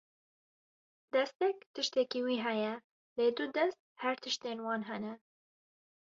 Destek tiştekî wî heye, lê du dest her tiştên wan hene.